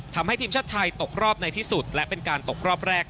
ทำให้ทีมชาติไทยตกรอบในที่สุดและเป็นการตกรอบแรก